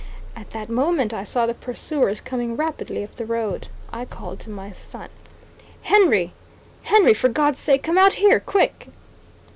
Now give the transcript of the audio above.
At that moment I saw the pursuers coming rapidly up the road. I called to my son: "Henry, Henry! for God's sake come out here, quick!"